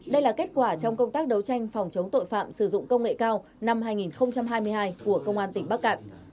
đây là kết quả trong công tác đấu tranh phòng chống tội phạm sử dụng công nghệ cao năm hai nghìn hai mươi hai của công an tỉnh bắc cạn